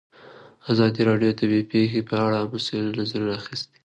ازادي راډیو د طبیعي پېښې په اړه د مسؤلینو نظرونه اخیستي.